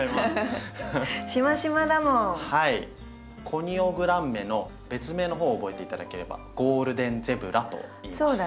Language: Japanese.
コニオグランメの別名の方を覚えて頂ければゴールデンゼブラといいます。